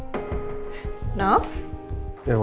mama mau tidur